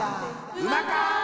うまか！